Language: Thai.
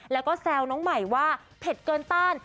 แล้วก็แซวน้องใหม่ว่าเผ็ดเกินต้าน